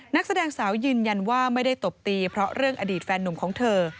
นักแสดงสาวยืนยันว่าไม่ได้ตบตีเพราะเรื่องอดีตแฟนนุ่มของเธอ